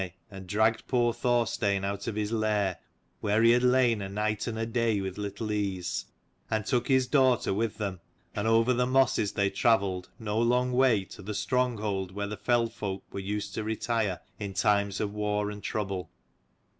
Gartnaidh and dragged poor 'Thorstein out of his lair, where he had lain a night and a day with little ease: and took his daughter with them : and over the mosses they travelled, no long way, to the stronghold where the fell folk were used to retire in times of war and trouble.